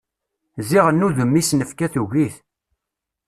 Ziɣen udem i s-nefka tugi-t.